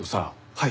はい。